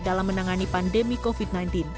dalam menangani pandemi covid sembilan belas